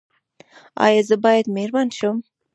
ایا زه باید میرمن شم؟